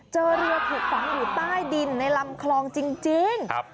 เจอเรือถูกฝังอยู่ใต้ดินในลำคลองจริง